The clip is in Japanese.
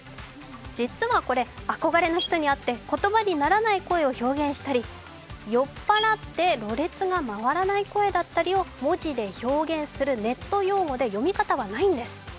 実はこれ、憧れの人に会って言葉にならない声を表現したり酔っ払ってろれつが回らない声だったりを文字で表現するネット用語で読み方はないんです。